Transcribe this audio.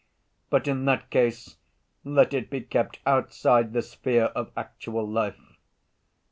But in that case let it be kept outside the sphere of actual life.